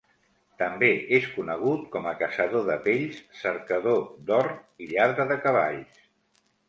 També és conegut com a caçador de pells, cercador d'or i lladre de cavalls.